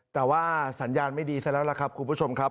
แต่ว่าสัญญาณไม่ดีซะแล้วล่ะครับคุณผู้ชมครับ